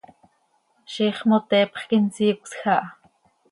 ¡Ziix moteepx quih insiicösj aha!